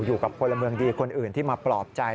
อยู่กับพลเมืองดีคนอื่นที่มาปลอบใจ